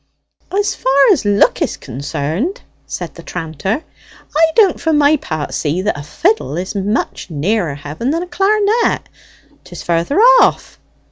"As far as look is concerned," said the tranter, "I don't for my part see that a fiddle is much nearer heaven than a clar'net. 'Tis further off.